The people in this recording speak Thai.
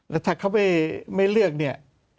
แล้วถ้าเขาไม่เลือกเนี่ย